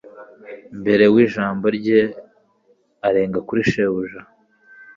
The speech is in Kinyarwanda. mbere w’ijambo rye arenga kuri shebuja